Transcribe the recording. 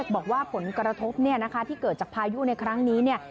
บอกว่าผลกระทบที่เกิดจากพายุในครั้งนี้